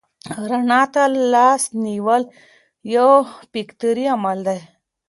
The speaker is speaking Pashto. رڼا ته لاس نیول یو فطري عمل دی.